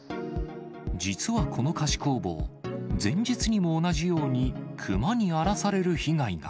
実はこの菓子工房、前日にも同じように熊に荒らされる被害が。